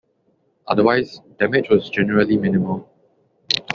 Otherwise, damage was generally minimal.